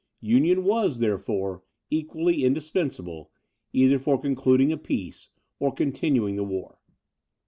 Union was, therefore, equally indispensable, either for concluding a peace or continuing the war.